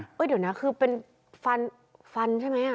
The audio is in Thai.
เดี๋ยวนะคือเป็นฟันใช่มั้ยอ่ะ